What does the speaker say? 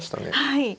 はい。